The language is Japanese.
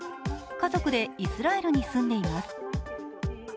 家族でイスラエルに住んでいます。